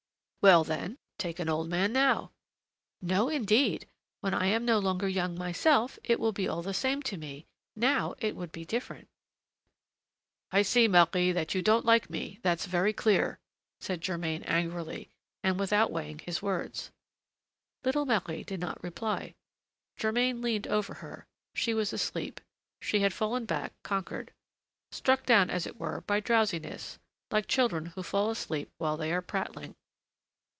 "Well, then, take an old man now." "No indeed! when I am no longer young myself, it will be all the same to me; now it would be different." "I see, Marie, that you don't like me; that's very clear," said Germain angrily, and without weighing his words. Little Marie did not reply. Germain leaned over her: she was asleep; she had fallen back, conquered, struck down, as it were, by drowsiness, like children who fall asleep while they are prattling.